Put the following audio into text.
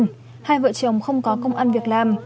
hai vợ chồng không có công ăn việc làm